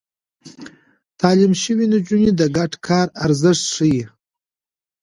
تعليم شوې نجونې د ګډ کار ارزښت ښيي.